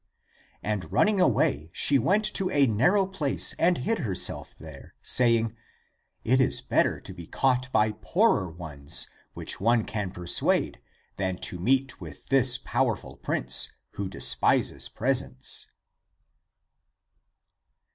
And running away she went to a narrow place and hid herself there, saying, " It is better to be caught by poorer ones, which one can persuade, than to meet with this powerful prince, who despises presents."